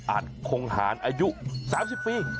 คงหารอายุ๓๐ปี